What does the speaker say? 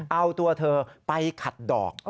เอาตัวเธอไปขัดดอก